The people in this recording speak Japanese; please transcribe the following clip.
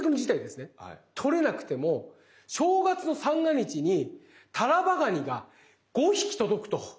とれなくても正月の三が日にタラバガニが５匹届くと。